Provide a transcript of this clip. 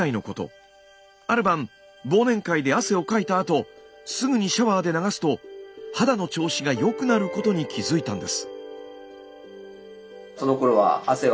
ある晩忘年会で汗をかいたあとすぐにシャワーで流すと肌の調子が良くなることに気付いたんです。